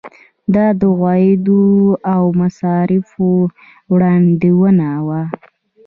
دا د عوایدو او مصارفو وړاندوینه وه.